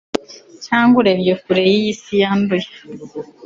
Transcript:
cyangwa, urebye kure y'iyi si yanduye